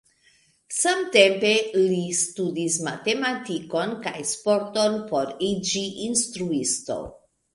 Samtempe li studis matematikon kaj sporton por iĝi instruisto.